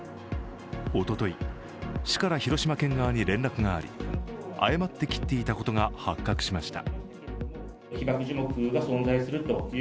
おととい、市から広島県側に連絡があり誤って切っていたことが発覚しました。